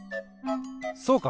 そうか！